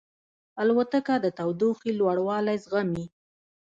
الوتکه د تودوخې لوړوالی زغمي.